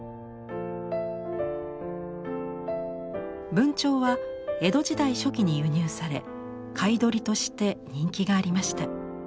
文鳥は江戸時代初期に輸入され飼い鳥として人気がありました。